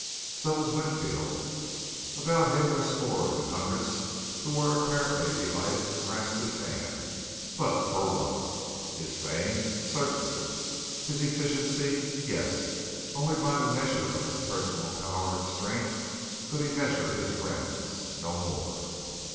So was Winfield. About him were scores and hundreds who were apparently delighted to grasp his hand, but for what? His fame? Certainly. His efficiency? Yes. Only by the measure of his personal power and strength could he measure his friends no more.